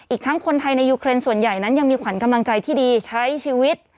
อีกทั้งคนไทยในยูเครนส่วนใหญ่นั้นยังมีขวัญกำลังใจที่ดีใช้ชีวิต